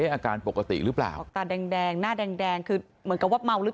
อาการปกติหรือเปล่าออกตาแดงหน้าแดงแดงคือเหมือนกับว่าเมาหรือ